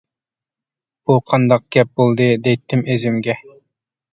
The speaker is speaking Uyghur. ‹ ‹بۇ قانداق گەپ بولدى؟ ›› دەيتتىم ئۆزۈمگە.